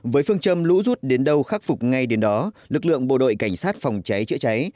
với phương châm lũ rút đến đâu khắc phục ngay đến đó lực lượng bộ đội cảnh sát phòng cháy chữa cháy